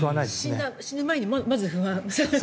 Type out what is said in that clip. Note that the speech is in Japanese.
死ぬ前にまず不安。